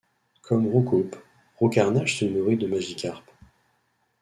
Comme Roucoups, Roucarnage se nourrit de Magicarpe.